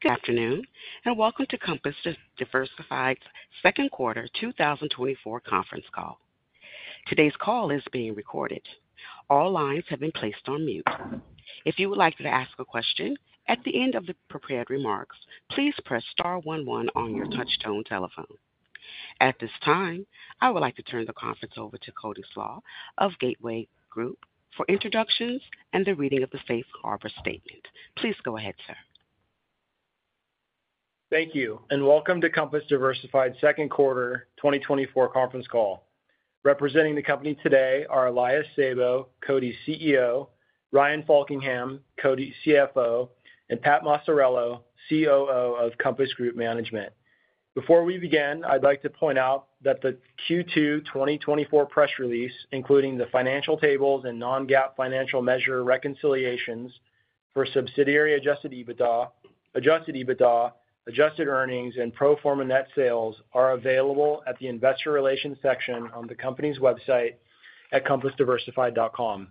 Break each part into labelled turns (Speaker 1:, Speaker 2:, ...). Speaker 1: Good afternoon and welcome to Compass Diversified's second quarter 2024 conference call. Today's call is being recorded. All lines have been placed on mute. If you would like to ask a question at the end of the prepared remarks, please press star one one on your touch-tone telephone. At this time, I would like to turn the conference over to Cody Slach of Gateway Group for introductions and the reading of the Safe Harbor Statement. Please go ahead, sir.
Speaker 2: Thank you and welcome to Compass Diversified's second quarter 2024 conference call. Representing the company today are Elias Sabo, company's CEO, Ryan Faulkingham, company's CFO, and Pat Maciariello, COO of Compass Group Management. Before we begin, I'd like to point out that the Q2 2024 press release, including the financial tables and non-GAAP financial measure reconciliations for subsidiary adjusted EBITDA, adjusted EBITDA, adjusted earnings, and pro forma net sales, are available at the Investor Relations section on the company's website at compassdiversified.com.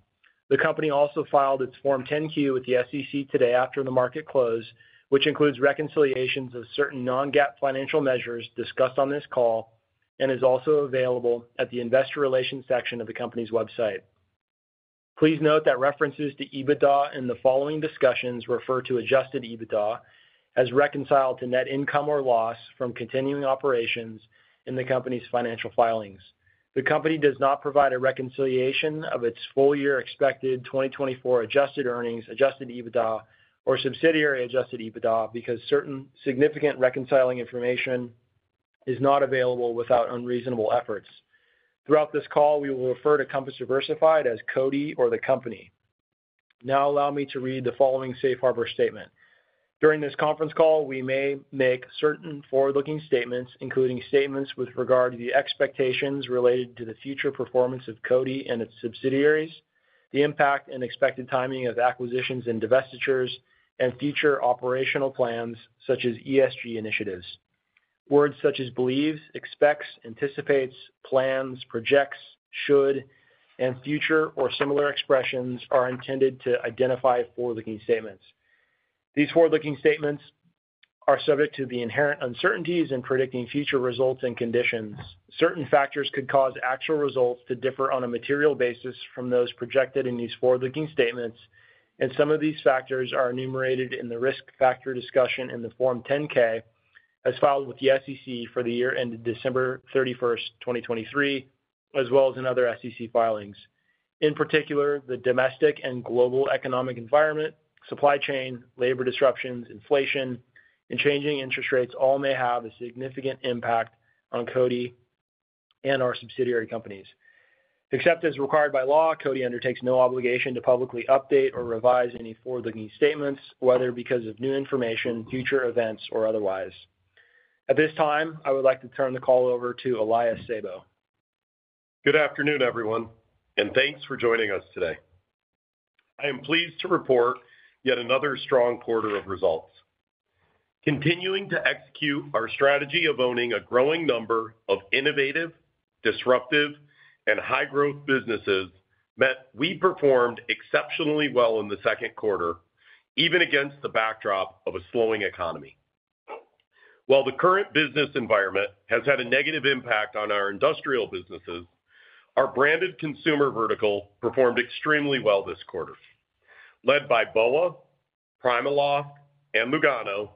Speaker 2: The company also filed its Form 10-Q with the SEC today after the market closed, which includes reconciliations of certain non-GAAP financial measures discussed on this call and is also available at the investor relations section of the company's website. Please note that references to EBITDA in the following discussions refer to Adjusted EBITDA as reconciled to net income or loss from continuing operations in the company's financial filings. The company does not provide a reconciliation of its full year expected 2024 adjusted earnings, Adjusted EBITDA, or Subsidiary Adjusted EBITDA because certain significant reconciling information is not available without unreasonable efforts. Throughout this call, we will refer to Compass Diversified as CODI or the Company. Now allow me to read the following Safe Harbor Statement. During this conference call, we may make certain forward-looking statements, including statements with regard to the expectations related to the future performance of CODI and its subsidiaries, the impact and expected timing of acquisitions and divestitures, and future operational plans such as ESG initiatives. Words such as believes, expects, anticipates, plans, projects, should, and future or similar expressions are intended to identify forward-looking statements. These forward-looking statements are subject to the inherent uncertainties in predicting future results and conditions. Certain factors could cause actual results to differ on a material basis from those projected in these forward-looking statements, and some of these factors are enumerated in the risk factor discussion in the Form 10-K as filed with the SEC for the year ended December 31st, 2023, as well as in other SEC filings. In particular, the domestic and global economic environment, supply chain, labor disruptions, inflation, and changing interest rates all may have a significant impact on CODI and our subsidiary companies. Except as required by law, CODI undertakes no obligation to publicly update or revise any forward-looking statements, whether because of new information, future events, or otherwise. At this time, I would like to turn the call over to Elias Sabo.
Speaker 3: Good afternoon, everyone, and thanks for joining us today. I am pleased to report yet another strong quarter of results. Continuing to execute our strategy of owning a growing number of innovative, disruptive, and high-growth businesses meant we performed exceptionally well in the second quarter, even against the backdrop of a slowing economy. While the current business environment has had a negative impact on our industrial businesses, our branded consumer vertical performed extremely well this quarter. Led by BOA, PrimaLoft, and Lugano,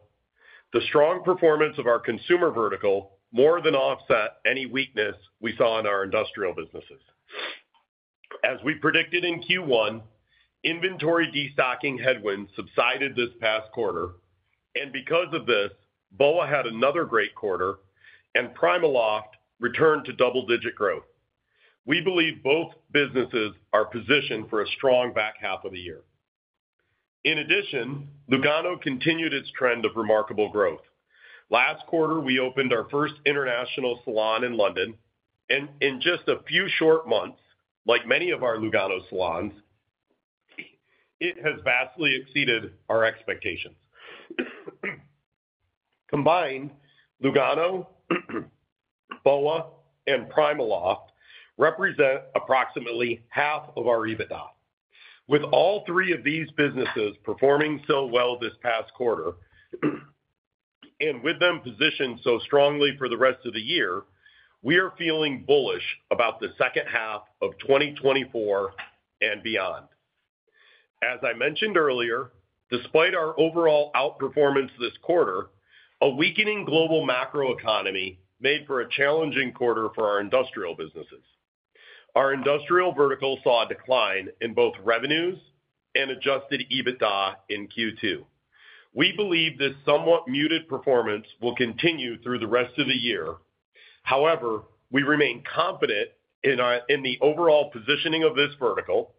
Speaker 3: the strong performance of our consumer vertical more than offset any weakness we saw in our industrial businesses. As we predicted in Q1, inventory destocking headwinds subsided this past quarter, and because of this, BOA had another great quarter, and PrimaLoft returned to double-digit growth. We believe both businesses are positioned for a strong back half of the year. In addition, Lugano continued its trend of remarkable growth. Last quarter, we opened our first international salon in London, and in just a few short months, like many of our Lugano salons, it has vastly exceeded our expectations. Combined, Lugano, BOA, and PrimaLoft represent approximately half of our EBITDA. With all three of these businesses performing so well this past quarter and with them positioned so strongly for the rest of the year, we are feeling bullish about the second half of 2024 and beyond. As I mentioned earlier, despite our overall outperformance this quarter, a weakening global macroeconomy made for a challenging quarter for our industrial businesses. Our industrial vertical saw a decline in both revenues and adjusted EBITDA in Q2. We believe this somewhat muted performance will continue through the rest of the year. However, we remain confident in the overall positioning of this vertical,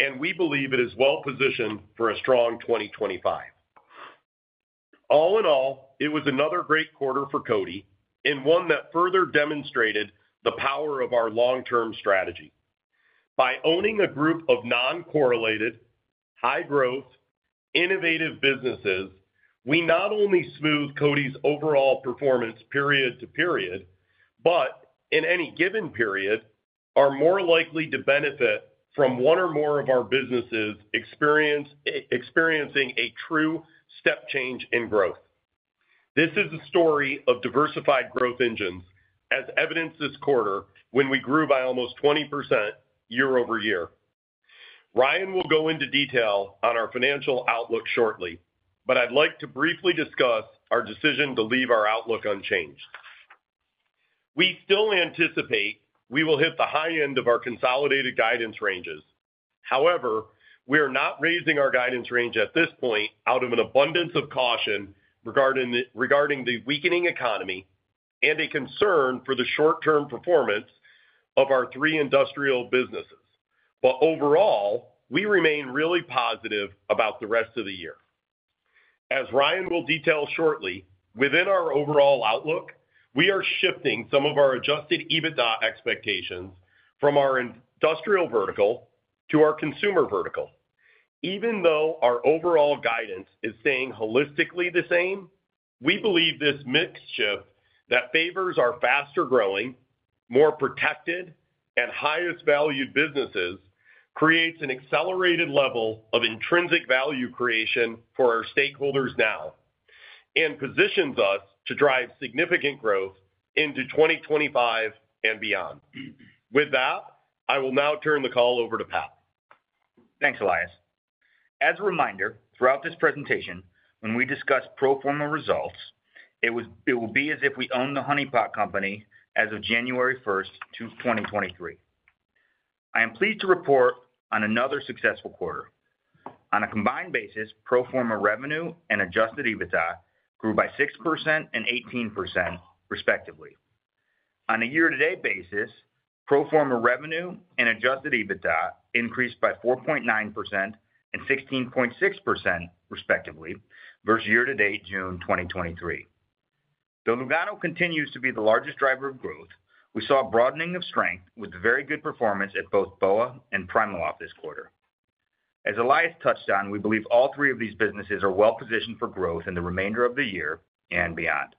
Speaker 3: and we believe it is well positioned for a strong 2025. All in all, it was another great quarter for CODI and one that further demonstrated the power of our long-term strategy. By owning a group of non-correlated, high-growth, innovative businesses, we not only smooth CODI's overall performance period to period, but in any given period, are more likely to benefit from one or more of our businesses experiencing a true step change in growth. This is a story of diversified growth engines, as evidenced this quarter when we grew by almost 20% year-over-year. Ryan will go into detail on our financial outlook shortly, but I'd like to briefly discuss our decision to leave our outlook unchanged. We still anticipate we will hit the high end of our consolidated guidance ranges. However, we are not raising our guidance range at this point out of an abundance of caution regarding the weakening economy and a concern for the short-term performance of our three industrial businesses. But overall, we remain really positive about the rest of the year. As Ryan will detail shortly, within our overall outlook, we are shifting some of our adjusted EBITDA expectations from our industrial vertical to our consumer vertical. Even though our overall guidance is staying holistically the same, we believe this mix shift that favors our faster-growing, more protected, and highest-valued businesses creates an accelerated level of intrinsic value creation for our stakeholders now and positions us to drive significant growth into 2025 and beyond. With that, I will now turn the call over to Pat.
Speaker 4: Thanks, Elias. As a reminder, throughout this presentation, when we discuss pro forma results, it will be as if we owned the Honey Pot Company as of January 1st, 2023. I am pleased to report on another successful quarter. On a combined basis, pro forma revenue and adjusted EBITDA grew by 6% and 18%, respectively. On a year-to-date basis, pro forma revenue and adjusted EBITDA increased by 4.9% and 16.6%, respectively, versus year-to-date June 2023. Though Lugano continues to be the largest driver of growth, we saw a broadening of strength with very good performance at both BOA and PrimaLoft this quarter. As Elias touched on, we believe all three of these businesses are well positioned for growth in the remainder of the year and beyond.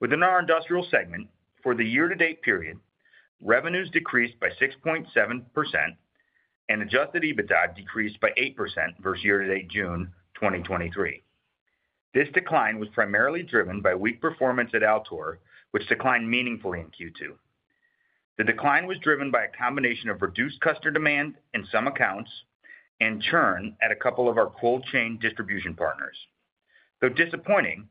Speaker 4: Within our industrial segment, for the year-to-date period, revenues decreased by 6.7% and adjusted EBITDA decreased by 8% versus year-to-date June 2023. This decline was primarily driven by weak performance at Altor, which declined meaningfully in Q2. The decline was driven by a combination of reduced customer demand in some accounts and churn at a couple of our cold chain distribution partners. Though disappointing,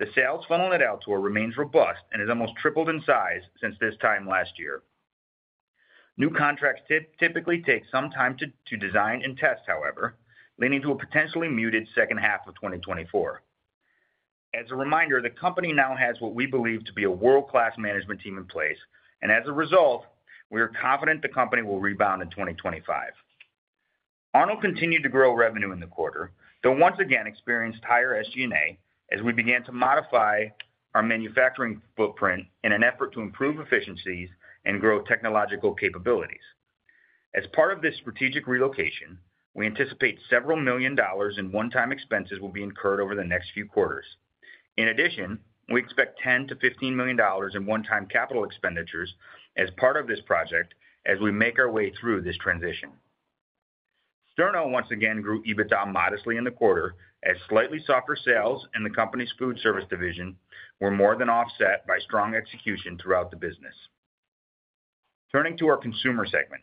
Speaker 4: the sales funnel at Altor remains robust and has almost tripled in size since this time last year. New contracts typically take some time to design and test, however, leading to a potentially muted second half of 2024. As a reminder, the company now has what we believe to be a world-class management team in place, and as a result, we are confident the company will rebound in 2025. Arnold continued to grow revenue in the quarter, though once again experienced higher SG&A as we began to modify our manufacturing footprint in an effort to improve efficiencies and grow technological capabilities. As part of this strategic relocation, we anticipate $several million in one-time expenses will be incurred over the next few quarters. In addition, we expect $10 million-$15 million in one-time capital expenditures as part of this project as we make our way through this transition. Sterno once again grew EBITDA modestly in the quarter as slightly softer sales in the company's food service division were more than offset by strong execution throughout the business. Turning to our consumer segment,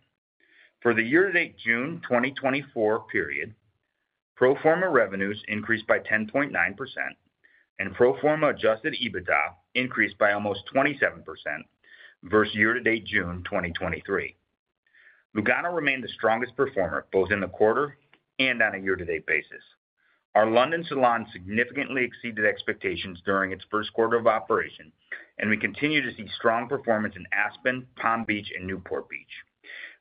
Speaker 4: for the year-to-date June 2024 period, pro forma revenues increased by 10.9% and pro forma adjusted EBITDA increased by almost 27% versus year-to-date June 2023. Lugano remained the strongest performer both in the quarter and on a year-to-date basis. Our London salon significantly exceeded expectations during its first quarter of operation, and we continue to see strong performance in Aspen, Palm Beach, and Newport Beach.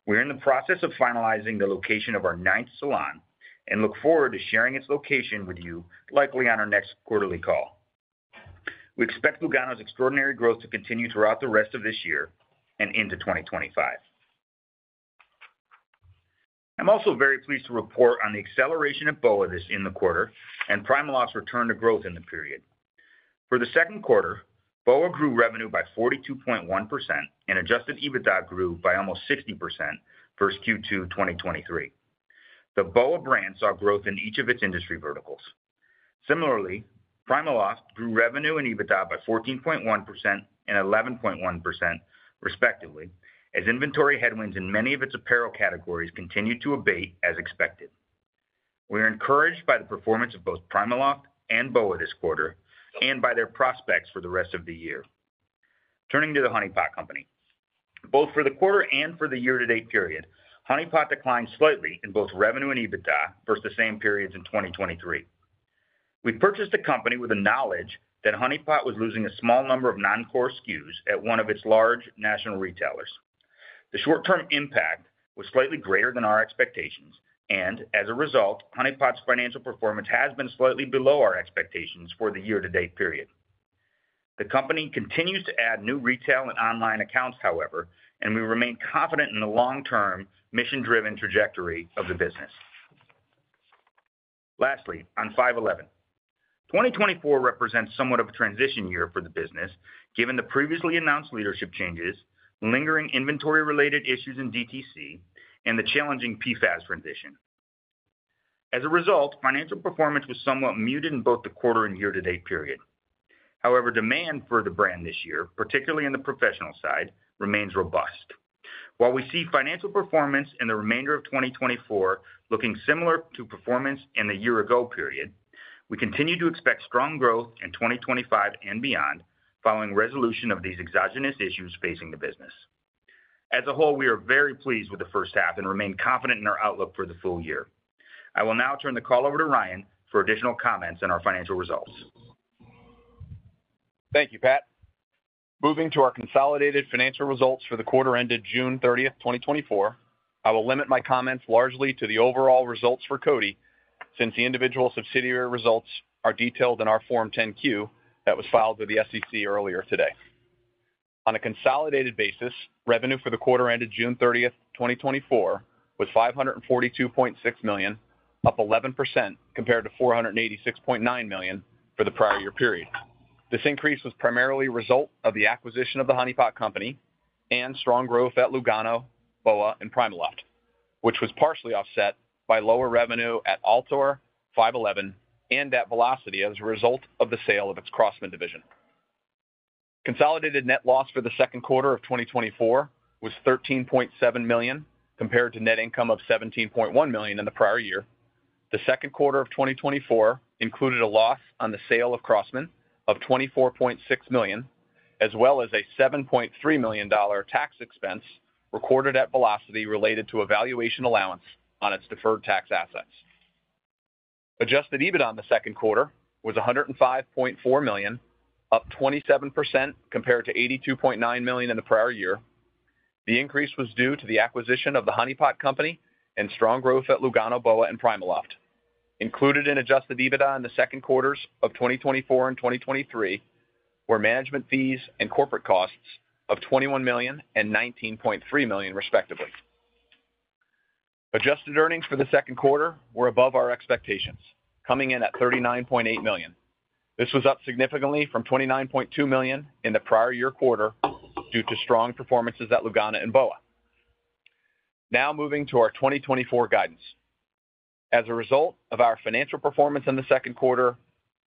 Speaker 4: We are in the process of finalizing the location of our ninth salon and look forward to sharing its location with you likely on our next quarterly call. We expect Lugano's extraordinary growth to continue throughout the rest of this year and into 2025. I'm also very pleased to report on the acceleration of BOA in this quarter and PrimaLoft's return to growth in the period. For the second quarter, BOA grew revenue by 42.1% and adjusted EBITDA grew by almost 60% versus Q2 2023. The BOA brand saw growth in each of its industry verticals. Similarly, PrimaLoft grew revenue and EBITDA by 14.1% and 11.1%, respectively, as inventory headwinds in many of its apparel categories continued to abate as expected. We are encouraged by the performance of both PrimaLoft and BOA this quarter and by their prospects for the rest of the year. Turning to the Honey Pot Company, both for the quarter and for the year-to-date period, Honey Pot declined slightly in both revenue and EBITDA versus the same periods in 2023. We purchased a company with a knowledge that Honey Pot was losing a small number of non-core SKUs at one of its large national retailers. The short-term impact was slightly greater than our expectations, and as a result, Honey Pot's financial performance has been slightly below our expectations for the year-to-date period. The company continues to add new retail and online accounts, however, and we remain confident in the long-term mission-driven trajectory of the business. Lastly, on 5.11, 2024, represents somewhat of a transition year for the business, given the previously announced leadership changes, lingering inventory-related issues in DTC, and the challenging PFAS transition. As a result, financial performance was somewhat muted in both the quarter and year-to-date period. However, demand for the brand this year, particularly in the professional side, remains robust. While we see financial performance in the remainder of 2024 looking similar to performance in the year-ago period, we continue to expect strong growth in 2025 and beyond following resolution of these exogenous issues facing the business. As a whole, we are very pleased with the first half and remain confident in our outlook for the full year. I will now turn the call over to Ryan for additional comments on our financial results.
Speaker 5: Thank you, Pat. Moving to our consolidated financial results for the quarter ended June 30th, 2024, I will limit my comments largely to the overall results for CODI since the individual subsidiary results are detailed in our Form 10-Q that was filed with the SEC earlier today. On a consolidated basis, revenue for the quarter ended June 30th, 2024, was $542.6 million, up 11% compared to $486.9 million for the prior year period. This increase was primarily a result of the acquisition of The Honey Pot Company and strong growth at Lugano, BOA, and PrimaLoft, which was partially offset by lower revenue at Altor, 5.11, and at Velocity as a result of the sale of its Crosman division. Consolidated net loss for the second quarter of 2024 was $13.7 million compared to net income of $17.1 million in the prior year. The second quarter of 2024 included a loss on the sale of Crosman of $24.6 million, as well as a $7.3 million tax expense recorded at Velocity related to a valuation allowance on its deferred tax assets. Adjusted EBITDA on the second quarter was $105.4 million, up 27% compared to $82.9 million in the prior year. The increase was due to the acquisition of The Honey Pot Company and strong growth at Lugano, BOA, and PrimaLoft. Included in adjusted EBITDA in the second quarters of 2024 and 2023 were management fees and corporate costs of $21 million and $19.3 million, respectively. Adjusted Earnings for the second quarter were above our expectations, coming in at $39.8 million. This was up significantly from $29.2 million in the prior year quarter due to strong performances at Lugano and BOA. Now moving to our 2024 guidance. As a result of our financial performance in the second quarter,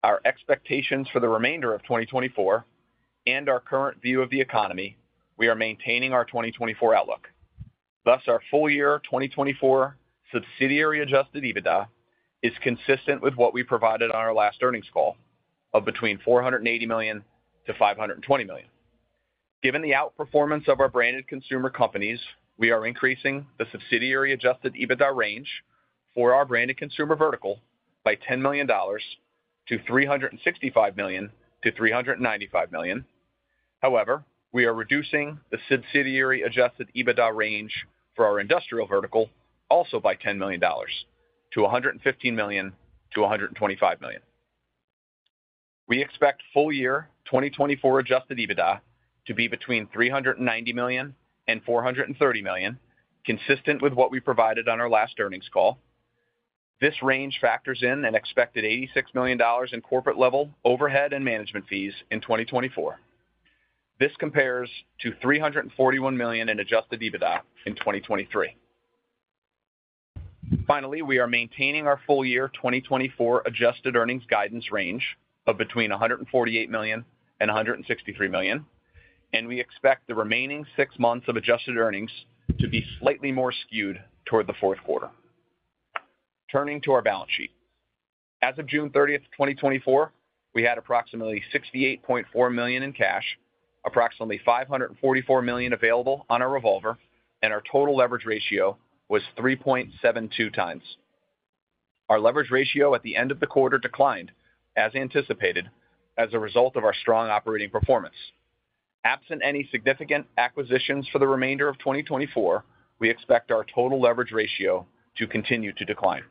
Speaker 5: our expectations for the remainder of 2024, and our current view of the economy, we are maintaining our 2024 outlook. Thus, our full year 2024 Subsidiary Adjusted EBITDA is consistent with what we provided on our last earnings call of between $480 million-$520 million. Given the outperformance of our branded consumer companies, we are increasing the Subsidiary Adjusted EBITDA range for our branded consumer vertical by $10 million-$365 million-$395 million. However, we are reducing the Subsidiary Adjusted EBITDA range for our industrial vertical also by $10 million-$115 million-$125 million. We expect full year 2024 Adjusted EBITDA to be between $390 million and $430 million, consistent with what we provided on our last earnings call. This range factors in an expected $86 million in corporate-level overhead and management fees in 2024. This compares to $341 million in Adjusted EBITDA in 2023. Finally, we are maintaining our full year 2024 Adjusted Earnings guidance range of between $148 million and $163 million, and we expect the remaining six months of Adjusted Earnings to be slightly more skewed toward the fourth quarter. Turning to our balance sheet, as of June 30th, 2024, we had approximately $68.4 million in cash, approximately $544 million available on our revolver, and our total leverage ratio was 3.72 times. Our leverage ratio at the end of the quarter declined, as anticipated, as a result of our strong operating performance. Absent any significant acquisitions for the remainder of 2024, we expect our total leverage ratio to continue to decline.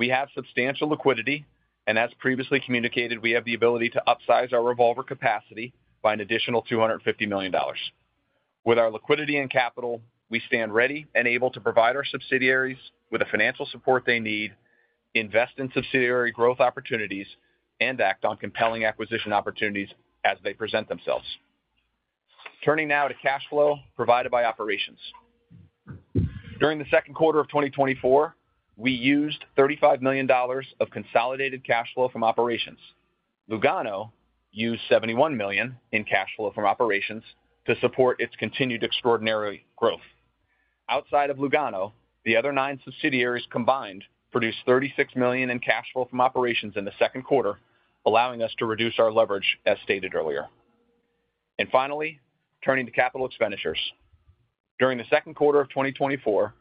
Speaker 5: We have substantial liquidity, and as previously communicated, we have the ability to upsize our revolver capacity by an additional $250 million. With our liquidity and capital, we stand ready and able to provide our subsidiaries with the financial support they need, invest in subsidiary growth opportunities, and act on compelling acquisition opportunities as they present themselves. Turning now to cash flow provided by operations. During the second quarter of 2024, we used $35 million of consolidated cash flow from operations. Lugano used $71 million in cash flow from operations to support its continued extraordinary growth. Outside of Lugano, the other nine subsidiaries combined produced $36 million in cash flow from operations in the second quarter, allowing us to reduce our leverage, as stated earlier. Finally, turning to capital expenditures. During the second quarter of 2024,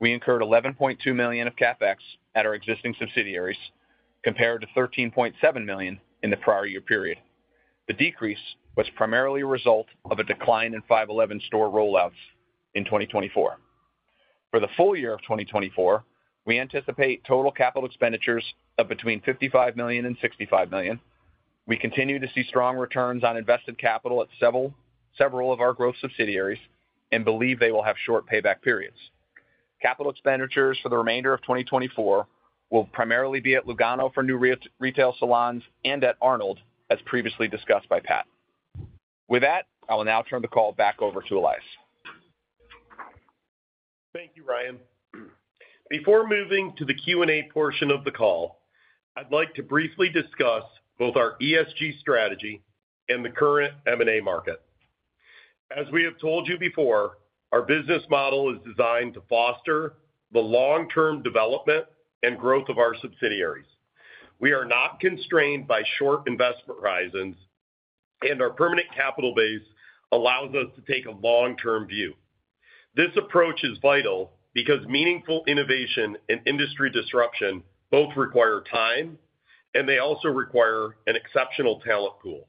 Speaker 5: we incurred $11.2 million of CapEx at our existing subsidiaries compared to $13.7 million in the prior year period. The decrease was primarily a result of a decline in 5.11 store rollouts in 2024. For the full year of 2024, we anticipate total capital expenditures of between $55 million and $65 million. We continue to see strong returns on invested capital at several of our growth subsidiaries and believe they will have short payback periods. Capital expenditures for the remainder of 2024 will primarily be at Lugano for new retail salons and at Arnold, as previously discussed by Pat. With that, I will now turn the call back over to Elias.
Speaker 3: Thank you, Ryan. Before moving to the Q&A portion of the call, I'd like to briefly discuss both our ESG strategy and the current M&A market. As we have told you before, our business model is designed to foster the long-term development and growth of our subsidiaries. We are not constrained by short investment horizons, and our permanent capital base allows us to take a long-term view. This approach is vital because meaningful innovation and industry disruption both require time, and they also require an exceptional talent pool.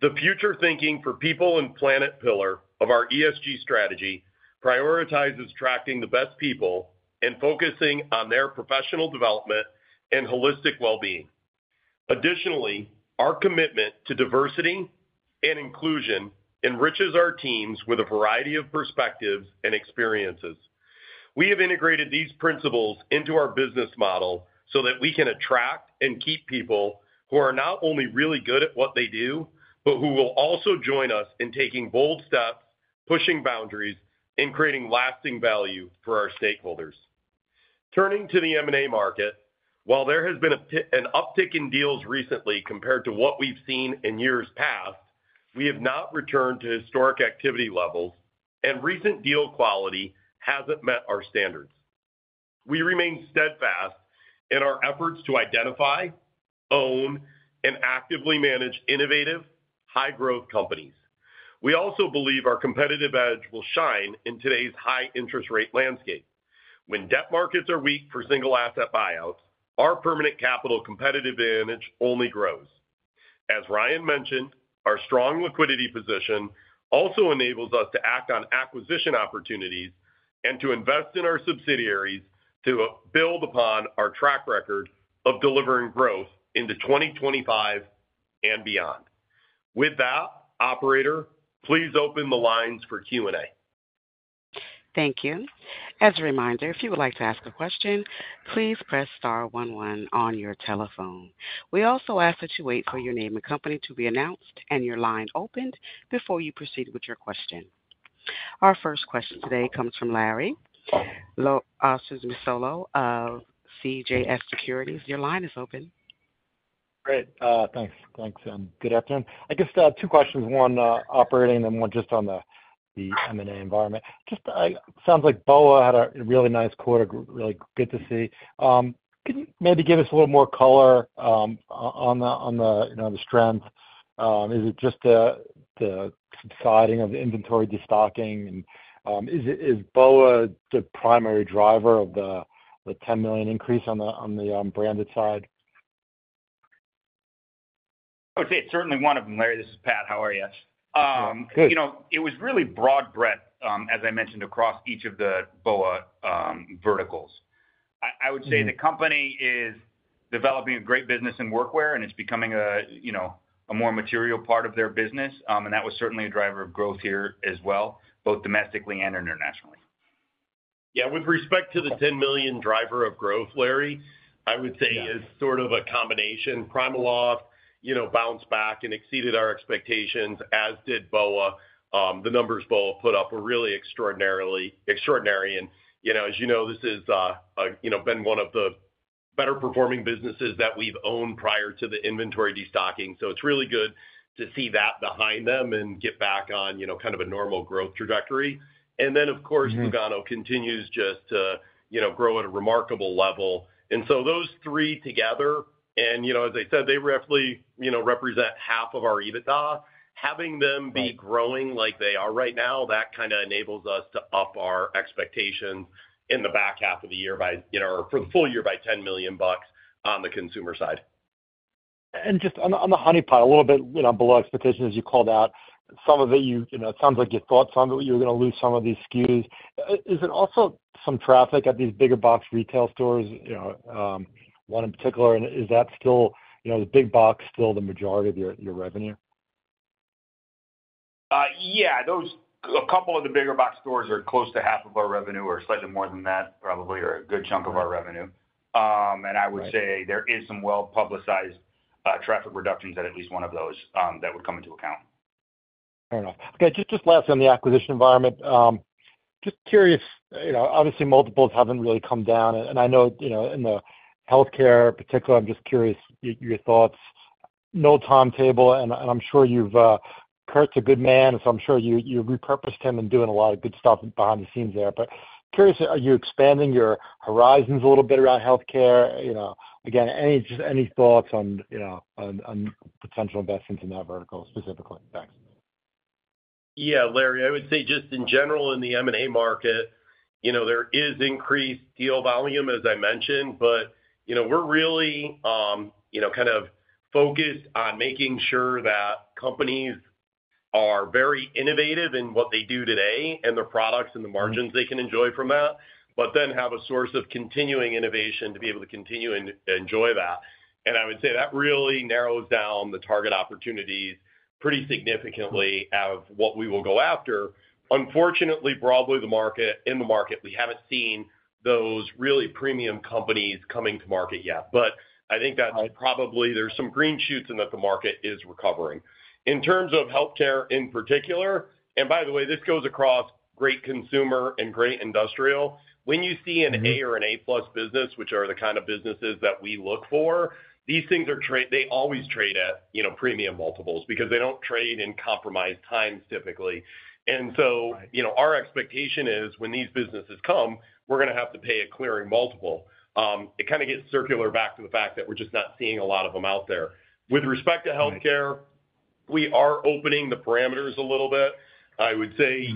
Speaker 3: The future thinking for people and planet pillar of our ESG strategy prioritizes attracting the best people and focusing on their professional development and holistic well-being. Additionally, our commitment to diversity and inclusion enriches our teams with a variety of perspectives and experiences. We have integrated these principles into our business model so that we can attract and keep people who are not only really good at what they do, but who will also join us in taking bold steps, pushing boundaries, and creating lasting value for our stakeholders. Turning to the M&A market, while there has been an uptick in deals recently compared to what we've seen in years past, we have not returned to historic activity levels, and recent deal quality hasn't met our standards. We remain steadfast in our efforts to identify, own, and actively manage innovative, high-growth companies. We also believe our competitive edge will shine in today's high-interest rate landscape. When debt markets are weak for single-asset buyouts, our permanent capital competitive advantage only grows. As Ryan mentioned, our strong liquidity position also enables us to act on acquisition opportunities and to invest in our subsidiaries to build upon our track record of delivering growth into 2025 and beyond. With that, operator, please open the lines for Q&A.
Speaker 1: Thank you. As a reminder, if you would like to ask a question, please press star 11 on your telephone. We also ask that you wait for your name and company to be announced and your line opened before you proceed with your question. Our first question today comes from Larry Solow of CJS Securities. Your line is open.
Speaker 6: Great. Thanks. Thanks. And good afternoon. I guess two questions, one operating and then one just on the M&A environment. Just sounds like BOA had a really nice quarter, really good to see. Can you maybe give us a little more color on the strength? Is it just the subsiding of the inventory destocking? And is BOA the primary driver of the $10 million increase on the branded side?
Speaker 4: I would say it's certainly one of them. Larry, this is Pat. How are you?
Speaker 6: Good.
Speaker 4: It was really broad breadth, as I mentioned, across each of the BOA verticals. I would say the company is developing a great business in workwear, and it's becoming a more material part of their business. And that was certainly a driver of growth here as well, both domestically and internationally.
Speaker 3: Yeah. With respect to the $10 million driver of growth, Larry, I would say it's sort of a combination. PrimaLoft bounced back and exceeded our expectations, as did BOA. The numbers BOA put up were really extraordinary. And as you know, this has been one of the better-performing businesses that we've owned prior to the inventory destocking. So it's really good to see that behind them and get back on kind of a normal growth trajectory. And then, of course, Lugano continues just to grow at a remarkable level. And so those three together, and as I said, they roughly represent half of our EBITDA. Having them be growing like they are right now, that kind of enables us to up our expectations in the back half of the year for the full year by $10 million on the consumer side.
Speaker 6: And just on the Honey Pot, a little bit below expectations, as you called out, some of it, it sounds like you thought some of it you were going to lose some of these SKUs. Is it also some traffic at these big-box retail stores, one in particular? And is that still, is big box still the majority of your revenue?
Speaker 4: Yeah. A couple of the big-box stores are close to half of our revenue, or slightly more than that, probably, or a good chunk of our revenue. I would say there is some well-publicized traffic reductions at least one of those that would come into account.
Speaker 6: Fair enough. Okay. Just last on the acquisition environment. Just curious, obviously, multiples haven't really come down. And I know in healthcare in particular, I'm just curious your thoughts. No timetable, and I'm sure you've got a good man, so I'm sure you've repurposed him and doing a lot of good stuff behind the scenes there. But curious, are you expanding your horizons a little bit around healthcare? Again, just any thoughts on potential investments in that vertical specifically? Thanks.
Speaker 3: Yeah, Larry, I would say just in general in the M&A market, there is increased deal volume, as I mentioned, but we're really kind of focused on making sure that companies are very innovative in what they do today and their products and the margins they can enjoy from that, but then have a source of continuing innovation to be able to continue and enjoy that. And I would say that really narrows down the target opportunities pretty significantly out of what we will go after. Unfortunately, broadly, in the market, we haven't seen those really premium companies coming to market yet. But I think that probably there's some green shoots in that the market is recovering. In terms of healthcare in particular, and by the way, this goes across great consumer and great industrial. When you see an A or an A-plus business, which are the kind of businesses that we look for, these things always trade at premium multiples because they don't trade in compromised times typically. And so our expectation is when these businesses come, we're going to have to pay a clearing multiple. It kind of gets circular back to the fact that we're just not seeing a lot of them out there. With respect to healthcare, we are opening the parameters a little bit. I would say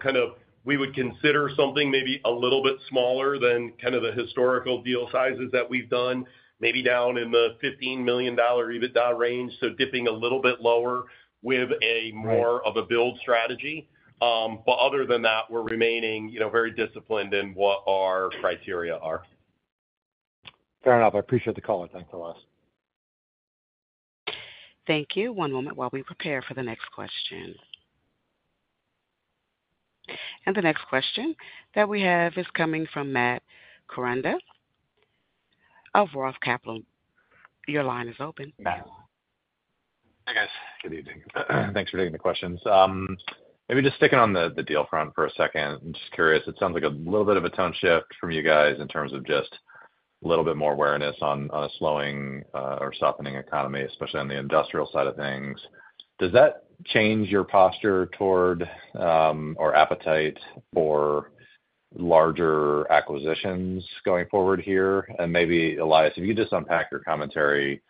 Speaker 3: kind of we would consider something maybe a little bit smaller than kind of the historical deal sizes that we've done, maybe down in the $15 million EBITDA range, so dipping a little bit lower with a more of a build strategy. But other than that, we're remaining very disciplined in what our criteria are.
Speaker 6: Fair enough. I appreciate the call. Thanks, Elias.
Speaker 1: Thank you. One moment while we prepare for the next question. And the next question that we have is coming from Matt Koranda of ROTH Capital. Your line is open. Matt?
Speaker 7: Hey, guys. Good evening. Thanks for taking the questions. Maybe just sticking on the deal front for a second, I'm just curious. It sounds like a little bit of a tone shift from you guys in terms of just a little bit more awareness on a slowing or softening economy, especially on the industrial side of things. Does that change your posture toward or appetite for larger acquisitions going forward here? And maybe, Elias, if you could just unpack your commentary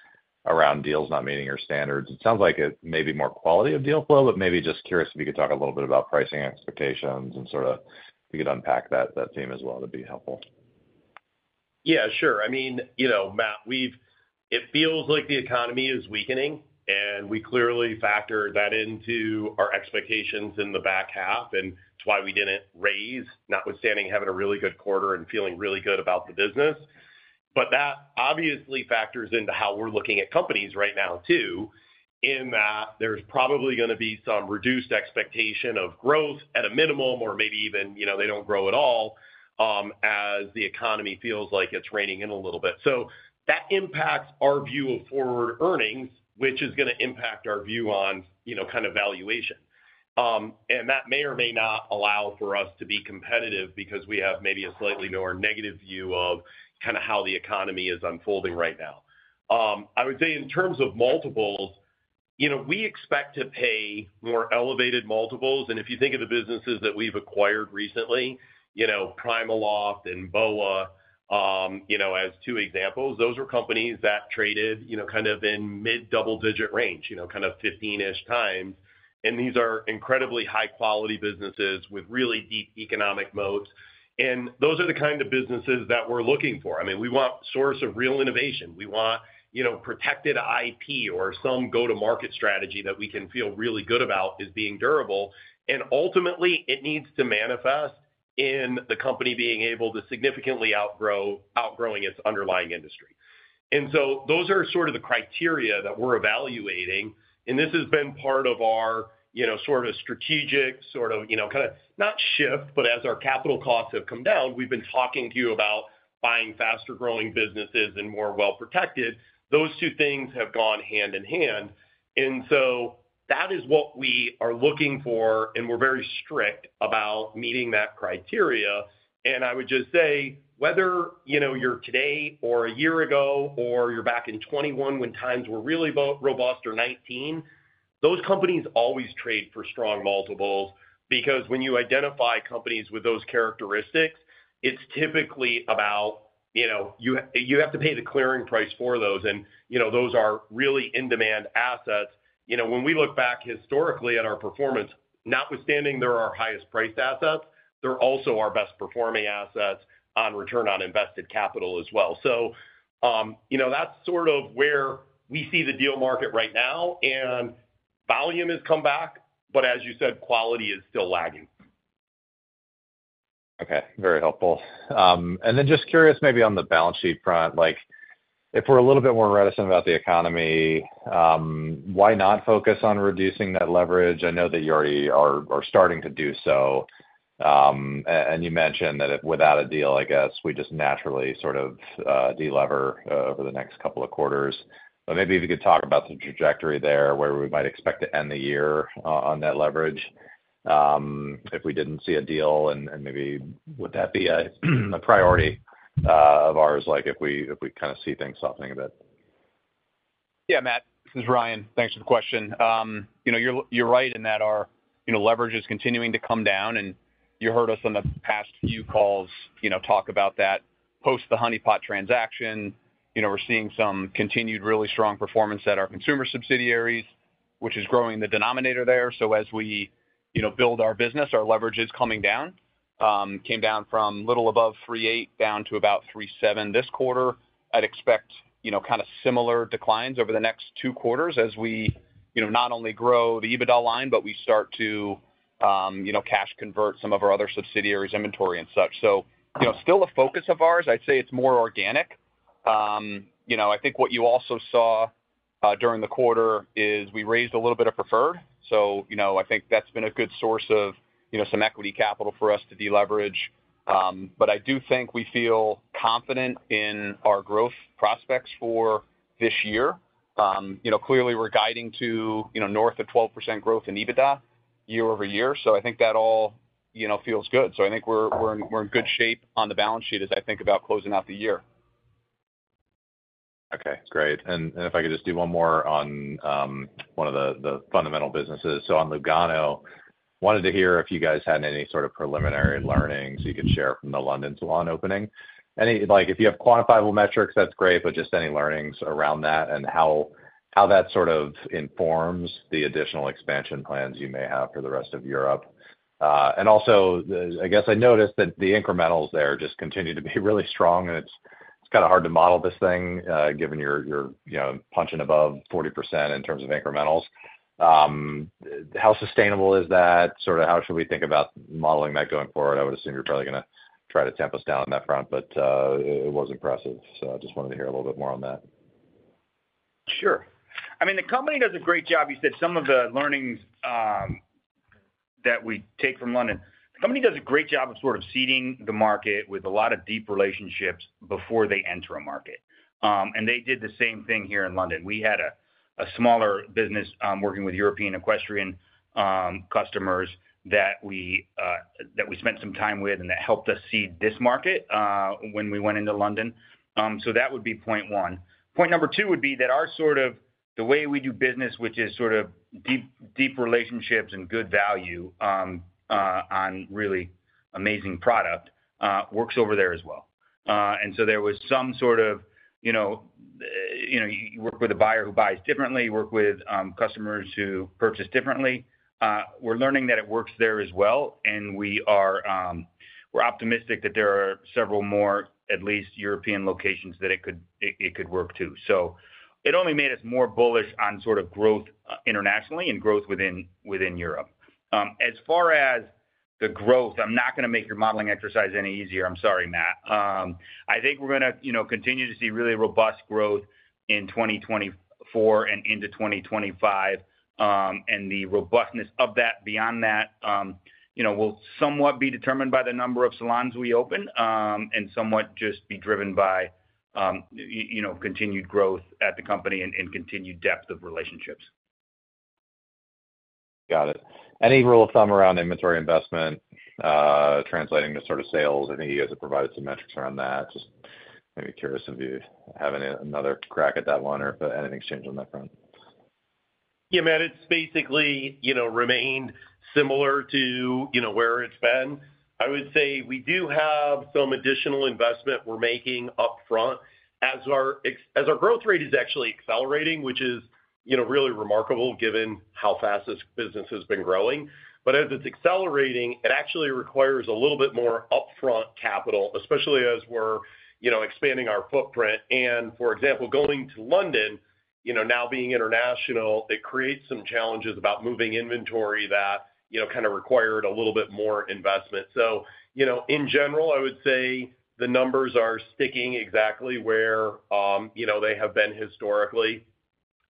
Speaker 7: around deals not meeting your standards. It sounds like it may be more quality of deal flow, but maybe just curious if you could talk a little bit about pricing expectations and sort of if you could unpack that theme as well. That'd be helpful.
Speaker 3: Yeah, sure. I mean, Matt, it feels like the economy is weakening, and we clearly factor that into our expectations in the back half, and it's why we didn't raise, notwithstanding having a really good quarter and feeling really good about the business. But that obviously factors into how we're looking at companies right now too, in that there's probably going to be some reduced expectation of growth at a minimum, or maybe even they don't grow at all as the economy feels like it's reining in a little bit. So that impacts our view of forward earnings, which is going to impact our view on kind of valuation. And that may or may not allow for us to be competitive because we have maybe a slightly more negative view of kind of how the economy is unfolding right now. I would say in terms of multiples, we expect to pay more elevated multiples. And if you think of the businesses that we've acquired recently, PrimaLoft and BOA as two examples, those were companies that traded kind of in mid-double-digit range, kind of 15-ishx. And these are incredibly high-quality businesses with really deep economic moats. And those are the kind of businesses that we're looking for. I mean, we want a source of real innovation. We want protected IP or some go-to-market strategy that we can feel really good about as being durable. And ultimately, it needs to manifest in the company being able to significantly outgrow its underlying industry. And so those are sort of the criteria that we're evaluating. This has been part of our sort of strategic sort of kind of not shift, but as our capital costs have come down, we've been talking to you about buying faster-growing businesses and more well-protected. Those two things have gone hand in hand. That is what we are looking for, and we're very strict about meeting that criteria. I would just say, whether you're today or a year ago or you're back in 2021 when times were really robust or 2019, those companies always trade for strong multiples because when you identify companies with those characteristics, it's typically about you have to pay the clearing price for those. Those are really in-demand assets. When we look back historically at our performance, notwithstanding they're our highest-priced assets, they're also our best-performing assets on return on invested capital as well. So that's sort of where we see the deal market right now, and volume has come back, but as you said, quality is still lagging.
Speaker 7: Okay. Very helpful. And then just curious, maybe on the balance sheet front, if we're a little bit more reticent about the economy, why not focus on reducing that leverage? I know that you already are starting to do so. And you mentioned that without a deal, I guess, we just naturally sort of de-lever over the next couple of quarters. But maybe if you could talk about the trajectory there, where we might expect to end the year on that leverage if we didn't see a deal, and maybe would that be a priority of ours if we kind of see things softening a bit?
Speaker 5: Yeah, Matt. This is Ryan. Thanks for the question. You're right in that our leverage is continuing to come down. And you heard us on the past few calls talk about that post the Honey Pot transaction. We're seeing some continued really strong performance at our consumer subsidiaries, which is growing the denominator there. So as we build our business, our leverage is coming down. Came down from a little above 3.8 down to about 3.7 this quarter. I'd expect kind of similar declines over the next two quarters as we not only grow the EBITDA line, but we start to cash convert some of our other subsidiaries' inventory and such. So still a focus of ours. I'd say it's more organic. I think what you also saw during the quarter is we raised a little bit of preferred. So I think that's been a good source of some equity capital for us to de-leverage. But I do think we feel confident in our growth prospects for this year. Clearly, we're guiding to north of 12% growth in EBITDA year-over-year. So I think that all feels good. So I think we're in good shape on the balance sheet as I think about closing out the year.
Speaker 7: Okay. Great. If I could just do one more on one of the fundamental businesses. So on Lugano, I wanted to hear if you guys had any sort of preliminary learnings you could share from the London salon opening. If you have quantifiable metrics, that's great, but just any learnings around that and how that sort of informs the additional expansion plans you may have for the rest of Europe. And also, I guess I noticed that the incrementals there just continue to be really strong, and it's kind of hard to model this thing given you're punching above 40% in terms of incrementals. How sustainable is that? Sort of how should we think about modeling that going forward? I would assume you're probably going to try to tamp it down on that front, but it was impressive. So I just wanted to hear a little bit more on that.
Speaker 4: Sure. I mean, the company does a great job. You said some of the learnings that we take from London. The company does a great job of sort of seeding the market with a lot of deep relationships before they enter a market. They did the same thing here in London. We had a smaller business working with European equestrian customers that we spent some time with and that helped us seed this market when we went into London. So that would be point one. Point number two would be that our sort of the way we do business, which is sort of deep relationships and good value on really amazing product, works over there as well. So there was some sort of you work with a buyer who buys differently, work with customers who purchase differently. We're learning that it works there as well, and we are optimistic that there are several more, at least, European locations that it could work too. So it only made us more bullish on sort of growth internationally and growth within Europe. As far as the growth, I'm not going to make your modeling exercise any easier. I'm sorry, Matt. I think we're going to continue to see really robust growth in 2024 and into 2025. The robustness of that beyond that will somewhat be determined by the number of salons we open and somewhat just be driven by continued growth at the company and continued depth of relationships.
Speaker 7: Got it. Any rule of thumb around inventory investment translating to sort of sales? I think you guys have provided some metrics around that. Just maybe curious if you have another crack at that one or if anything's changed on that front.
Speaker 3: Yeah, Matt. It's basically remained similar to where it's been. I would say we do have some additional investment we're making upfront as our growth rate is actually accelerating, which is really remarkable given how fast this business has been growing. But as it's accelerating, it actually requires a little bit more upfront capital, especially as we're expanding our footprint. And for example, going to London, now being international, it creates some challenges about moving inventory that kind of required a little bit more investment. So in general, I would say the numbers are sticking exactly where they have been historically.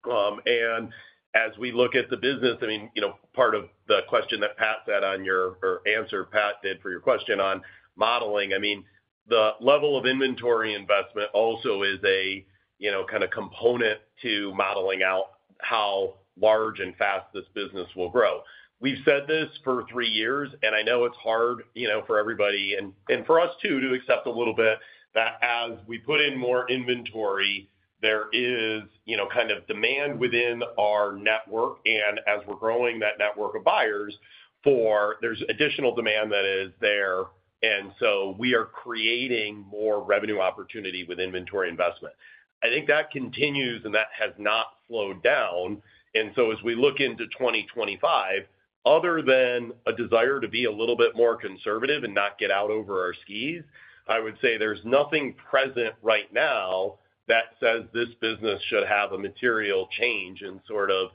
Speaker 3: And as we look at the business, I mean, part of the question that Pat said on your answer, Pat did for your question on modeling, I mean, the level of inventory investment also is a kind of component to modeling out how large and fast this business will grow. We've said this for three years, and I know it's hard for everybody and for us too to accept a little bit that as we put in more inventory, there is kind of demand within our network. And as we're growing that network of buyers, there's additional demand that is there. And so we are creating more revenue opportunity with inventory investment. I think that continues, and that has not slowed down. And so as we look into 2025, other than a desire to be a little bit more conservative and not get out over our skis, I would say there's nothing present right now that says this business should have a material change in sort of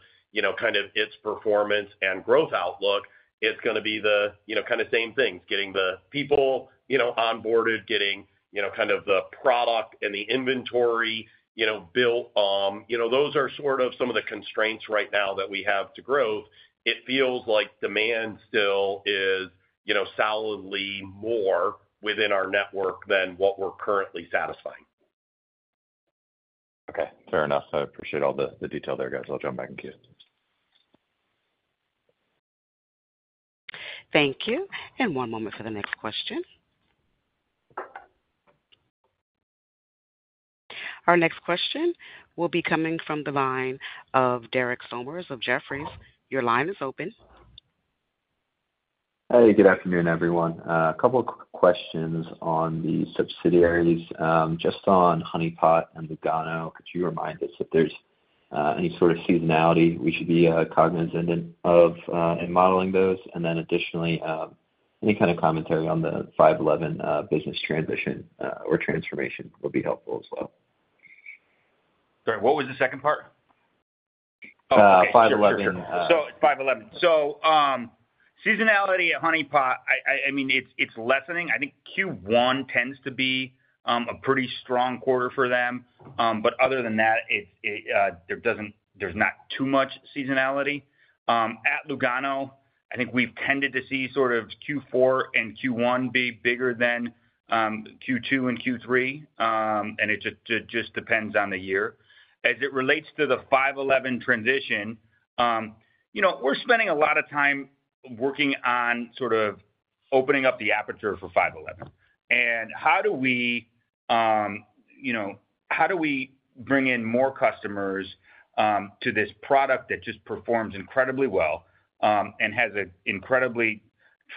Speaker 3: kind of its performance and growth outlook. It's going to be the kind of same things, getting the people onboarded, getting kind of the product and the inventory built. Those are sort of some of the constraints right now that we have to grow. It feels like demand still is solidly more within our network than what we're currently satisfying.
Speaker 7: Okay. Fair enough. I appreciate all the detail there, guys. I'll jump back and queue.
Speaker 1: Thank you. One moment for the next question. Our next question will be coming from the line of Derek Sommers of Jefferies. Your line is open.
Speaker 8: Hey, good afternoon, everyone. A couple of questions on the subsidiaries. Just on Honey Pot and Lugano, could you remind us if there's any sort of seasonality we should be cognizant of in modeling those? And then additionally, any kind of commentary on the 5.11 business transition or transformation would be helpful as well.
Speaker 4: Sorry, what was the second part?
Speaker 8: 5.11.
Speaker 4: So it's 5.11. Seasonality at Honey Pot, I mean, it's lessening. I think Q1 tends to be a pretty strong quarter for them. But other than that, there's not too much seasonality. At Lugano, I think we've tended to see sort of Q4 and Q1 be bigger than Q2 and Q3, and it just depends on the year. As it relates to the 5.11 transition, we're spending a lot of time working on sort of opening up the aperture for 5.11. And how do we bring in more customers to this product that just performs incredibly well and has an incredibly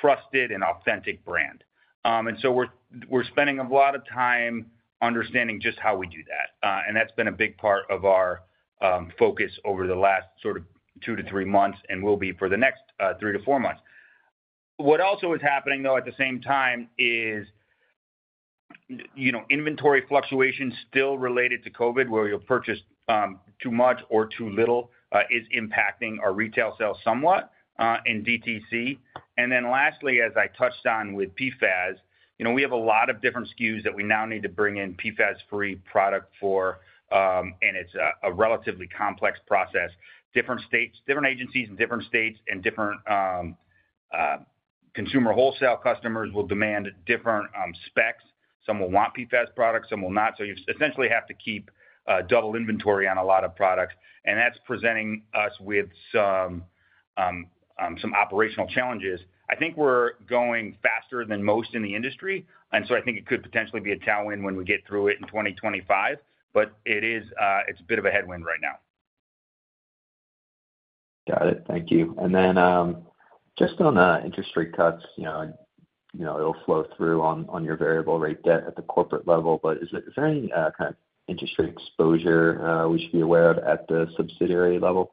Speaker 4: trusted and authentic brand? And so we're spending a lot of time understanding just how we do that. And that's been a big part of our focus over the last sort of two to three months and will be for the next three to four months. What also is happening, though, at the same time is inventory fluctuations still related to COVID, where you'll purchase too much or too little, is impacting our retail sales somewhat in DTC. And then lastly, as I touched on with PFAS, we have a lot of different SKUs that we now need to bring in PFAS-free product for, and it's a relatively complex process. Different agencies in different states and different consumer wholesale customers will demand different specs. Some will want PFAS products, some will not. So you essentially have to keep double inventory on a lot of products. And that's presenting us with some operational challenges. I think we're going faster than most in the industry. And so I think it could potentially be a tailwind when we get through it in 2025, but it's a bit of a headwind right now.
Speaker 8: Got it. Thank you. And then just on interest rate cuts, it'll flow through on your variable rate debt at the corporate level. But is there any kind of interest rate exposure we should be aware of at the subsidiary level?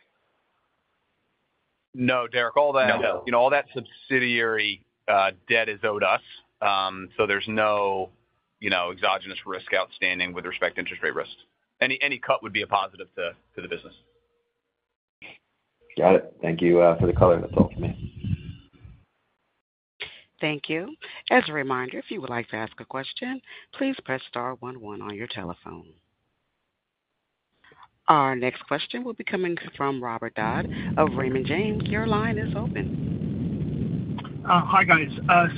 Speaker 5: No, Derek. All that subsidiary debt is owed us. So there's no exogenous risk outstanding with respect to interest rate risk. Any cut would be a positive to the business.
Speaker 8: Got it. Thank you for the color that's helped me.
Speaker 1: Thank you. As a reminder, if you would like to ask a question, please press star one one on your telephone. Our next question will be coming from Robert Dodd of Raymond James. Your line is open.
Speaker 9: Hi, guys.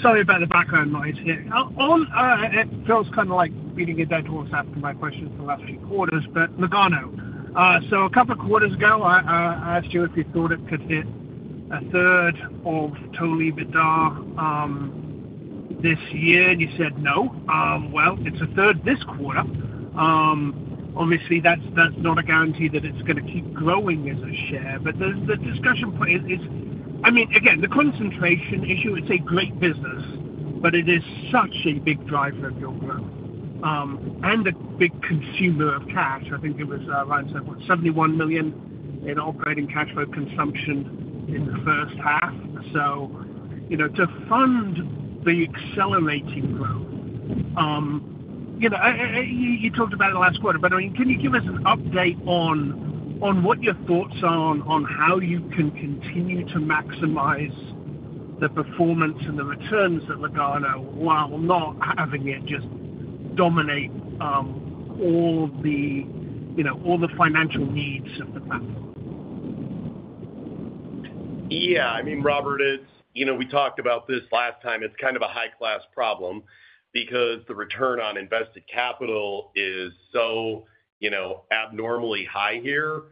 Speaker 9: Sorry about the background noise here. It feels kind of like beating a dead horse after my questions for the last few quarters, but Lugano. So a couple of quarters ago, I asked you if you thought it could hit a third of total EBITDA this year, and you said no. Well, it's a third this quarter. Obviously, that's not a guarantee that it's going to keep growing as a share. But the discussion point is, I mean, again, the concentration issue, it's a great business, but it is such a big driver of your growth and a big consumer of cash. I think it was Ryan said, what, $71 million in operating cash flow consumption in the first half. So to fund the accelerating growth, you talked about it last quarter, but I mean, can you give us an update on what your thoughts are on how you can continue to maximize the performance and the returns at Lugano while not having it just dominate all the financial needs of the company?
Speaker 3: Yeah. I mean, Robert, we talked about this last time. It's kind of a high-class problem because the return on invested capital is so abnormally high here.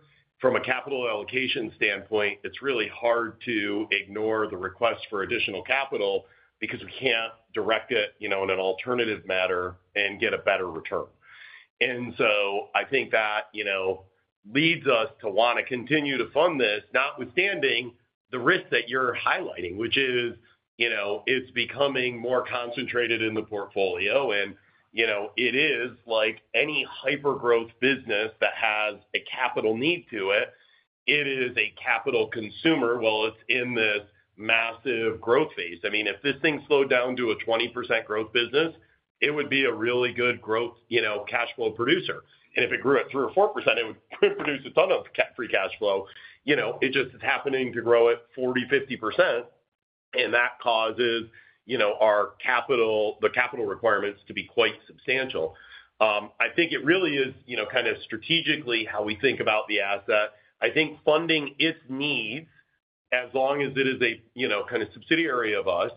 Speaker 3: From a capital allocation standpoint, it's really hard to ignore the request for additional capital because we can't direct it in an alternative manner and get a better return. And so I think that leads us to want to continue to fund this, notwithstanding the risk that you're highlighting, which is it's becoming more concentrated in the portfolio. And it is like any hyper-growth business that has a capital need to it, it is a capital consumer while it's in this massive growth phase. I mean, if this thing slowed down to a 20% growth business, it would be a really good growth cash flow producer. If it grew at 3%-4%, it would produce a ton of free cash flow. It just is happening to grow at 40%-50%, and that causes the capital requirements to be quite substantial. I think it really is kind of strategically how we think about the asset. I think funding its needs as long as it is a kind of subsidiary of us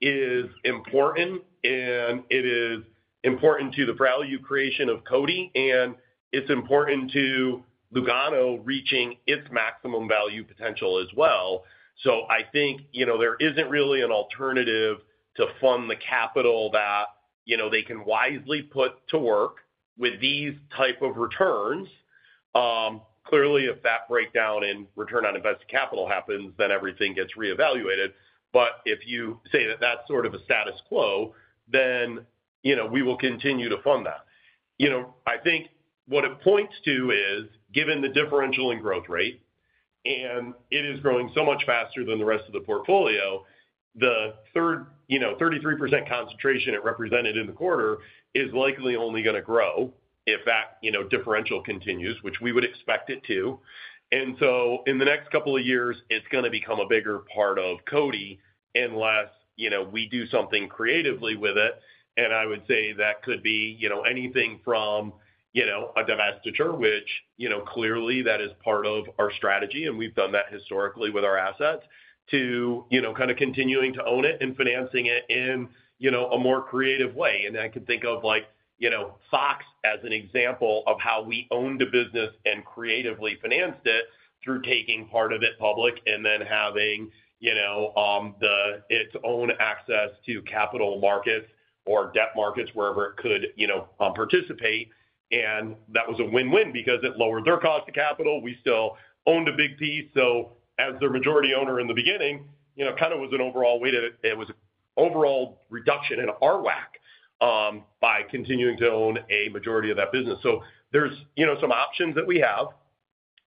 Speaker 3: is important, and it is important to the value creation of CODI, and it's important to Lugano reaching its maximum value potential as well. So I think there isn't really an alternative to fund the capital that they can wisely put to work with these types of returns. Clearly, if that breakdown in return on invested capital happens, then everything gets reevaluated. But if you say that that's sort of a status quo, then we will continue to fund that. I think what it points to is, given the differential in growth rate, and it is growing so much faster than the rest of the portfolio, the 33% concentration it represented in the quarter is likely only going to grow if that differential continues, which we would expect it to. And so in the next couple of years, it's going to become a bigger part of CODI unless we do something creatively with it. And I would say that could be anything from a divestiture, which clearly that is part of our strategy, and we've done that historically with our assets, to kind of continuing to own it and financing it in a more creative way. I can think of Fox as an example of how we owned a business and creatively financed it through taking part of it public and then having its own access to capital markets or debt markets wherever it could participate. And that was a win-win because it lowered their cost of capital. We still owned a big piece. So as the majority owner in the beginning, kind of was an overall weight of it. It was an overall reduction in our WACC by continuing to own a majority of that business. So there's some options that we have.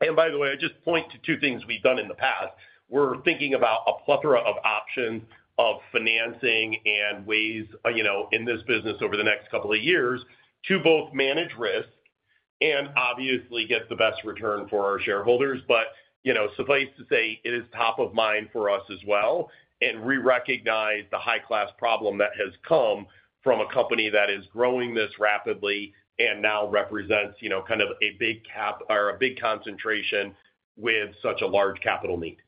Speaker 3: And by the way, I just point to two things we've done in the past. We're thinking about a plethora of options of financing and ways in this business over the next couple of years to both manage risk and obviously get the best return for our shareholders. But suffice to say, it is top of mind for us as well and re-recognize the high-class problem that has come from a company that is growing this rapidly and now represents kind of a big cap or a big concentration with such a large capital need.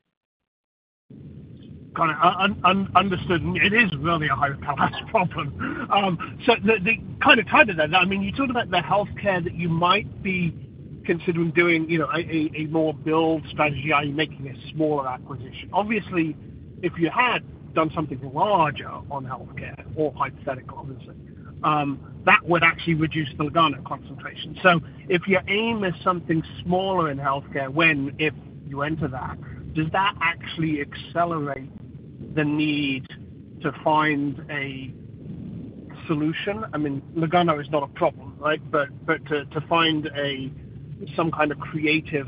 Speaker 9: Got it. Understood. It is really a high-class problem. So, kind of tied to that, I mean, you talked about the healthcare that you might be considering doing a more build strategy or making a smaller acquisition. Obviously, if you had done something larger on healthcare, or hypothetical, obviously, that would actually reduce the Lugano concentration. So if your aim is something smaller in healthcare when, if you enter that, does that actually accelerate the need to find a solution? I mean, Lugano is not a problem, right? But to find some kind of creative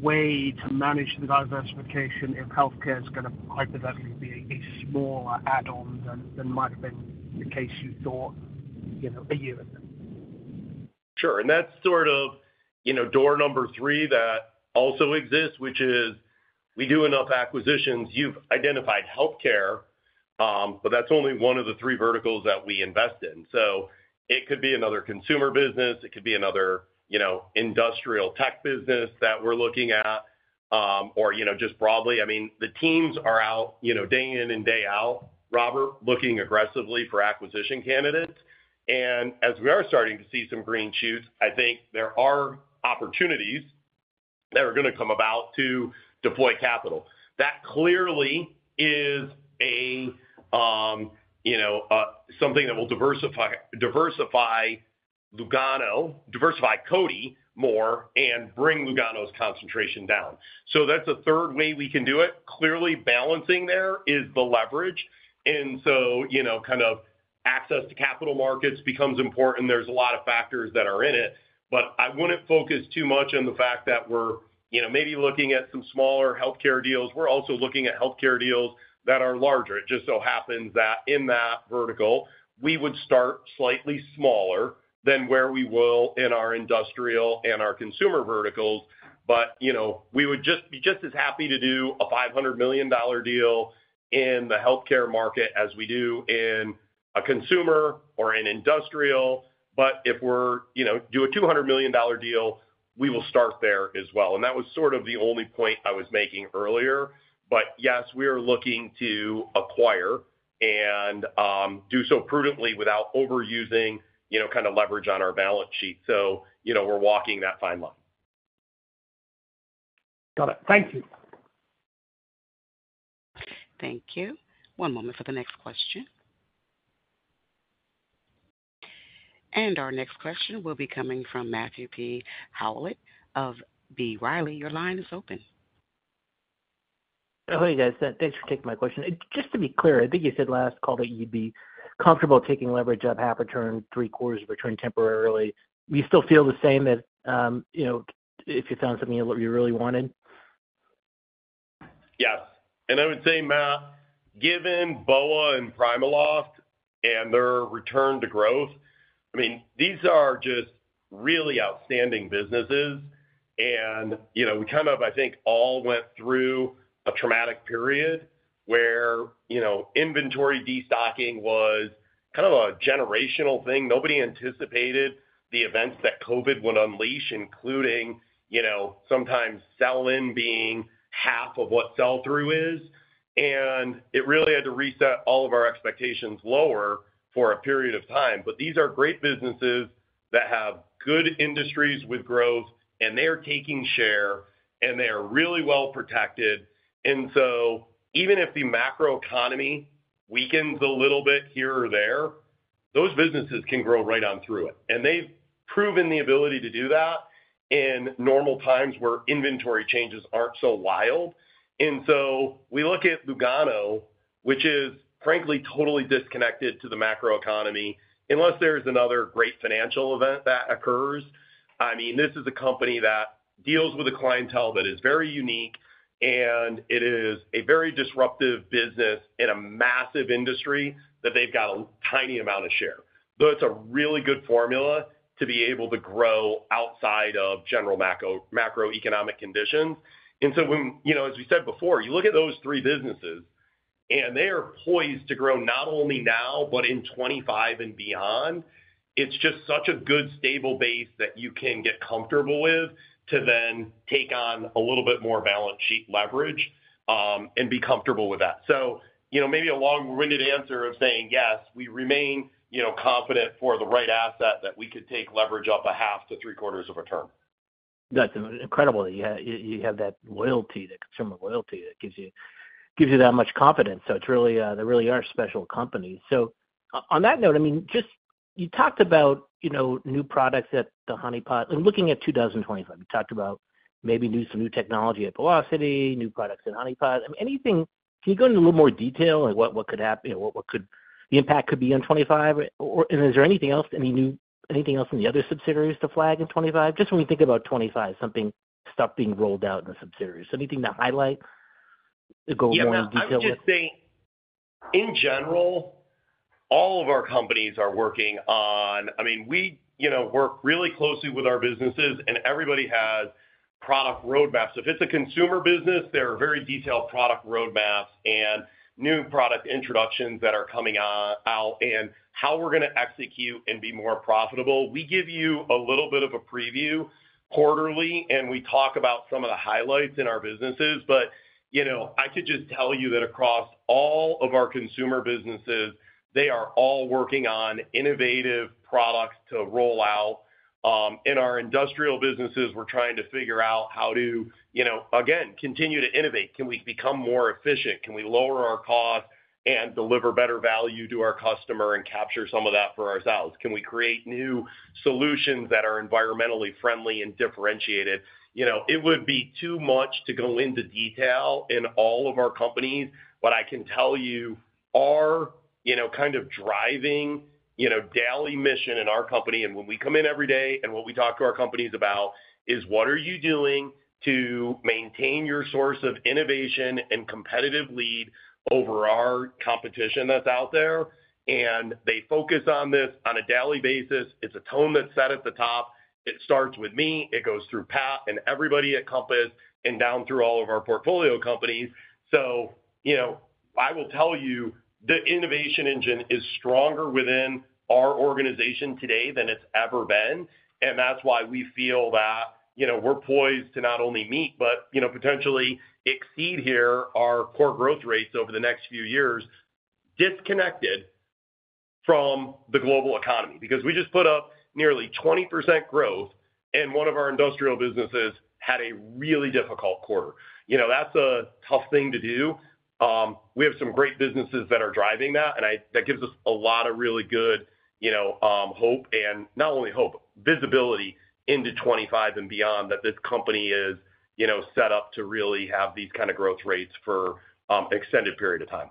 Speaker 9: way to manage the diversification if healthcare is going to hypothetically be a smaller add-on than might have been the case you thought a year ago.
Speaker 3: Sure. And that's sort of door number three that also exists, which is we do enough acquisitions. You've identified healthcare, but that's only one of the three verticals that we invest in. So it could be another consumer business. It could be another industrial tech business that we're looking at. Or just broadly, I mean, the teams are out day in and day out, Robert, looking aggressively for acquisition candidates. And as we are starting to see some green shoots, I think there are opportunities that are going to come about to deploy capital. That clearly is something that will diversify CODI more and bring Lugano's concentration down. So that's a third way we can do it. Clearly, balancing there is the leverage. And so kind of access to capital markets becomes important. There's a lot of factors that are in it. But I wouldn't focus too much on the fact that we're maybe looking at some smaller healthcare deals. We're also looking at healthcare deals that are larger. It just so happens that in that vertical, we would start slightly smaller than where we will in our industrial and our consumer verticals. But we would just be just as happy to do a $500 million deal in the healthcare market as we do in a consumer or an industrial. But if we're doing a $200 million deal, we will start there as well. And that was sort of the only point I was making earlier. But yes, we are looking to acquire and do so prudently without overusing kind of leverage on our balance sheet. So we're walking that fine line.
Speaker 9: Got it. Thank you.
Speaker 1: Thank you. One moment for the next question. Our next question will be coming from Matthew P. Howlett of B. Riley. Your line is open.
Speaker 10: Oh, hey guys. Thanks for taking my question. Just to be clear, I think you said last call that you'd be comfortable taking leverage up half a turn, three quarters of a turn temporarily. You still feel the same that if you found something you really wanted?
Speaker 3: Yes. And I would say, Matt, given BOA and PrimaLoft and their return to growth, I mean, these are just really outstanding businesses. We kind of, I think, all went through a traumatic period where inventory destocking was kind of a generational thing. Nobody anticipated the events that COVID would unleash, including sometimes sell-in being half of what sell-through is. It really had to reset all of our expectations lower for a period of time. But these are great businesses that have good industries with growth, and they are taking share, and they are really well protected. So even if the macroeconomy weakens a little bit here or there, those businesses can grow right on through it. They've proven the ability to do that in normal times where inventory changes aren't so wild. And so we look at Lugano, which is, frankly, totally disconnected to the macroeconomy unless there's another great financial event that occurs. I mean, this is a company that deals with a clientele that is very unique, and it is a very disruptive business in a massive industry that they've got a tiny amount of share. Though it's a really good formula to be able to grow outside of general macroeconomic conditions. And so as we said before, you look at those three businesses, and they are poised to grow not only now, but in 2025 and beyond. It's just such a good stable base that you can get comfortable with to then take on a little bit more balance sheet leverage and be comfortable with that. Maybe a long-winded answer of saying, yes, we remain confident for the right asset that we could take leverage up 0.5-0.75 of a turn.
Speaker 10: That's incredible that you have that loyalty, that consumer loyalty that gives you that much confidence. So there really are special companies. So on that note, I mean, just you talked about new products at the Honey Pot. I'm looking at 2025. You talked about maybe some new technology at Velocity, new products at Honey Pot. Can you go into a little more detail of what could happen, what the impact could be in 2025? And is there anything else, anything else in the other subsidiaries to flag in 2025? Just when we think about 2025, something stuff being rolled out in the subsidiaries. Anything to highlight, go more in detail with?
Speaker 3: Yeah. I would just say, in general, all of our companies are working on, I mean, we work really closely with our businesses, and everybody has product roadmaps. If it's a consumer business, there are very detailed product roadmaps and new product introductions that are coming out and how we're going to execute and be more profitable. We give you a little bit of a preview quarterly, and we talk about some of the highlights in our businesses. But I could just tell you that across all of our consumer businesses, they are all working on innovative products to roll out. In our industrial businesses, we're trying to figure out how to, again, continue to innovate. Can we become more efficient? Can we lower our cost and deliver better value to our customer and capture some of that for ourselves? Can we create new solutions that are environmentally friendly and differentiated? It would be too much to go into detail in all of our companies, but I can tell you our kind of driving daily mission in our company, and when we come in every day and what we talk to our companies about is, what are you doing to maintain your source of innovation and competitive lead over our competition that's out there? And they focus on this on a daily basis. It's a tone that's set at the top. It starts with me. It goes through Pat and everybody at Compass and down through all of our portfolio companies. So I will tell you the innovation engine is stronger within our organization today than it's ever been. That's why we feel that we're poised to not only meet, but potentially exceed here our core growth rates over the next few years disconnected from the global economy because we just put up nearly 20% growth, and one of our industrial businesses had a really difficult quarter. That's a tough thing to do. We have some great businesses that are driving that, and that gives us a lot of really good hope and not only hope, visibility into 2025 and beyond that this company is set up to really have these kinds of growth rates for an extended period of time.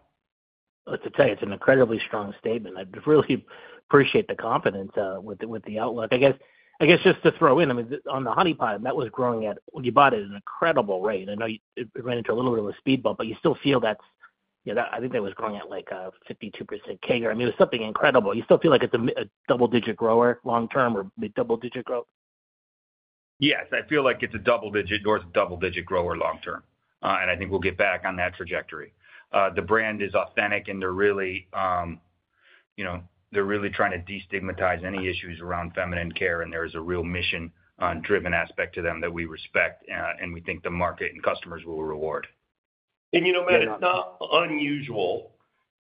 Speaker 10: Well, to tell you, it's an incredibly strong statement. I really appreciate the confidence with the outlook. I guess just to throw in, I mean, on the Honey Pot, that was growing at, when you bought it, an incredible rate. I know it ran into a little bit of a speed bump, but you still feel that's. I think that was growing at like 52% CAGR. I mean, it was something incredible. You still feel like it's a double-digit grower long-term or double-digit growth?
Speaker 4: Yes. I feel like it's a double-digit or double-digit grower long-term. I think we'll get back on that trajectory. The brand is authentic, and they're really trying to destigmatize any issues around feminine care. There is a real mission-driven aspect to them that we respect, and we think the market and customers will reward.
Speaker 3: You know, Matt, it's not unusual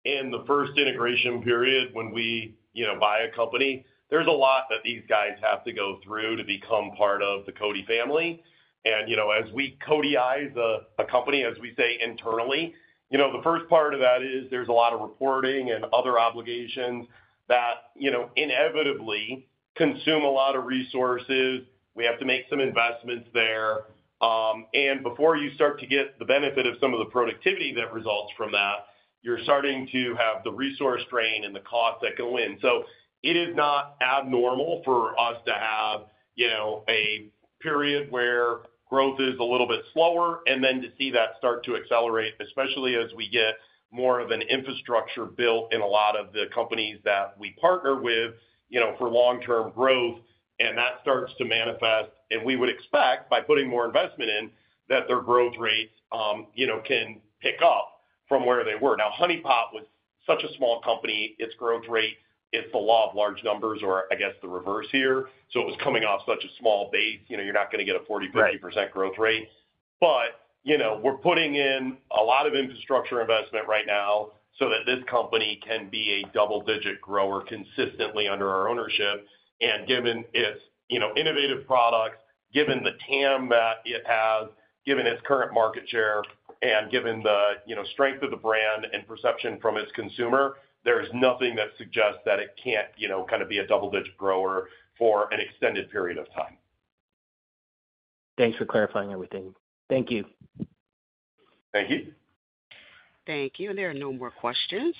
Speaker 3: in the first integration period when we buy a company. There's a lot that these guys have to go through to become part of the CODI family. And as we CODI-ize a company, as we say internally, the first part of that is there's a lot of reporting and other obligations that inevitably consume a lot of resources. We have to make some investments there. And before you start to get the benefit of some of the productivity that results from that, you're starting to have the resource drain and the cost that go in. So it is not abnormal for us to have a period where growth is a little bit slower and then to see that start to accelerate, especially as we get more of an infrastructure built in a lot of the companies that we partner with for long-term growth. That starts to manifest. We would expect by putting more investment in that their growth rates can pick up from where they were. Now, Honey Pot was such a small company. Its growth rate is the law of large numbers or, I guess, the reverse here. So it was coming off such a small base. You're not going to get a 40%-50% growth rate. But we're putting in a lot of infrastructure investment right now so that this company can be a double-digit grower consistently under our ownership. And given its innovative products, given the TAM that it has, given its current market share, and given the strength of the brand and perception from its consumer, there is nothing that suggests that it can't kind of be a double-digit grower for an extended period of time.
Speaker 10: Thanks for clarifying everything. Thank you.
Speaker 3: Thank you.
Speaker 1: Thank you. There are no more questions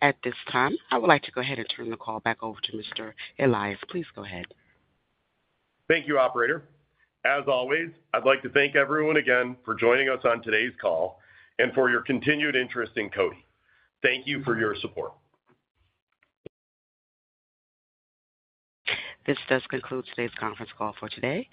Speaker 1: at this time. I would like to go ahead and turn the call back over to Mr. Elias. Please go ahead.
Speaker 3: Thank you, Operator. As always, I'd like to thank everyone again for joining us on today's call and for your continued interest in CODI. Thank you for your support.
Speaker 1: This does conclude today's conference call for today.